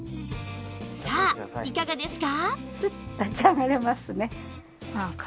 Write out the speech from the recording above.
さあいかがですか？